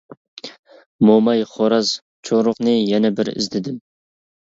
موماي، خوراز، چورۇقنى يەنە بىر ئىزدىدىم.